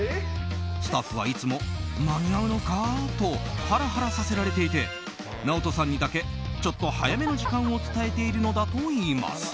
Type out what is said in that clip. スタッフはいつも間に合うのか？とハラハラさせられていてＮＡＯＴＯさんにだけちょっと早めの時間を伝えているのだといいます。